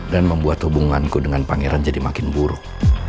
dan membuat hubunganku dengan pangeran jadi makin buruk